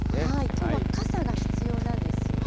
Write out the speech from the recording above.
きょうは傘が必要なんですよね。